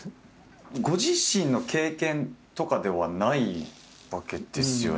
ご自身の経験とかではないわけですよね？